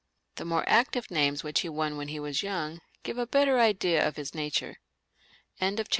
The more active names which he won when he was young give a better idea of his nature. a 82 LOUIS VII.